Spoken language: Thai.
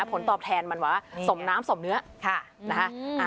ผลตอบแทนมันแบบว่าสมน้ำสมเนื้อค่ะนะฮะ